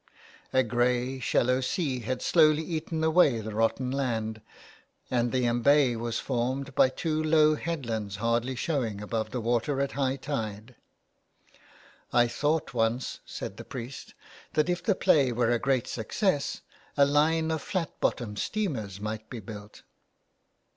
A grey, shallow sea had slowly eaten away the rotten land, and the embay was formed by two low 231 A PLAY HOUSE IN THE WASTE. headlands hardly showing above the water at high tide. " I thought once," said the priest, " that if the play were a great success a line of flat bottomed steamers might be built."